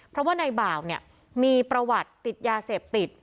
เพราะว่าในบ่าวเนี่ยมีประวัติติดยาเสพติด